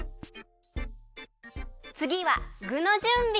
つぎはぐのじゅんび。